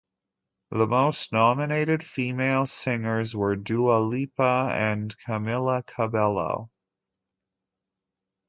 The most nominated female singers were Dua Lipa and Camila Cabello.